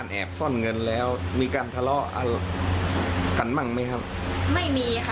เราก็เลยไม่อยากให้เขาซื้ออยากจะเก็บเงินประหยัดเงินไว้มากกว่า